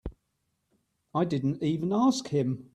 I didn't even ask him.